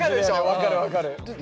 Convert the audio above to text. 分かる分かる。